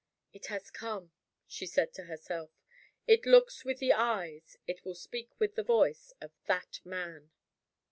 "It has come," she said to herself. "It looks with the eyes it will speak with the voice of that man."